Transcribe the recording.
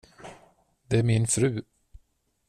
Det är min fru.